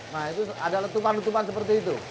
nah itu ada letupan letupan seperti itu